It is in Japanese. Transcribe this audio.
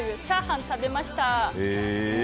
チャーハン、食べました。